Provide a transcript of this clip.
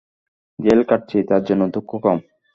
Jail খাটছি, তার জন্য দুঃখ কম।